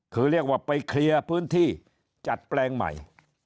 คือเรียกว่าไปเคลียร์พื้นที่จัดแปลงใหม่